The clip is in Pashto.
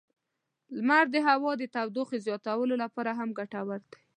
لمر د هوا د تودوخې زیاتولو لپاره هم ګټور دی.